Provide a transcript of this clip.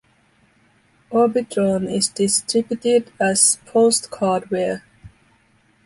Orbitron is distributed as postcardware.